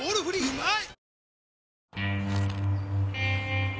うまい！